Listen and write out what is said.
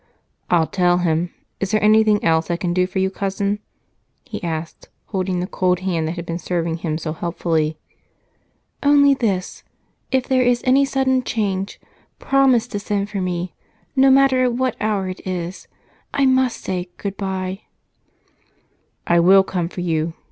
"I'll tell him. Is there anything else I can do for you, Cousin?" he asked, holding the cold hand that had been serving him so helpfully. "Only this if there is any sudden change, promise to send for me, no matter at what hour it is. I must say 'good bye'". "I will come for you.